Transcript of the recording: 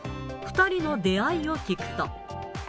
２人の出会いを聞くと。